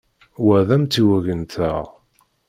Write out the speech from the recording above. Wa d amtiweg-nteɣ.